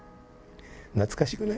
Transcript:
懐かしくない？